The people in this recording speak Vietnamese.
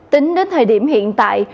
tính đến thời điểm hiện tại